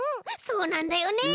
そうなんだよね！